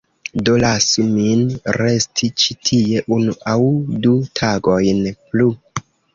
Do lasu min resti ĉi tie unu aŭ du tagojn plu.